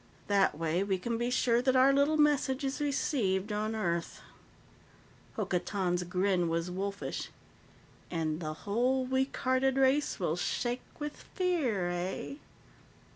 That way, we can be sure that our little message is received on Earth." Hokotan's grin was wolfish. "And the whole weak hearted race will shake with fear, eh?"